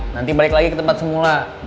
nanti balik lagi ke tempat semula